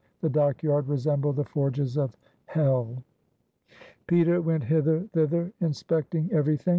The dockyard resembled the forges of hell. Peter went hither, thither, inspecting everything.